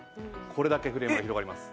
これだけフレームが広がります。